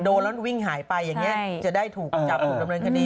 โดนแล้ววิ่งหายไปอย่างนี้จะได้ถูกจับถูกดำเนินคดี